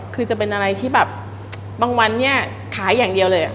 คือจะเป็นอะไรที่แบบบางวันเนี่ยขายอย่างเดียวเลย